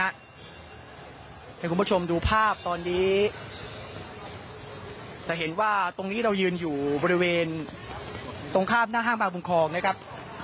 ให้คุณผู้ชมดูภาพตอนนี้จะเห็นว่าตรงนี้เรายืนอยู่บริเวณตรงข้ามหน้าห้างบางบุงคองนะครับ